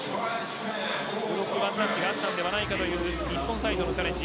ブロック１タッチがあったのではないかという日本サイドのチャレンジ。